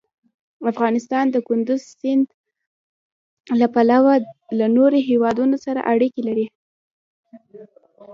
افغانستان د کندز سیند له پلوه له نورو هېوادونو سره اړیکې لري.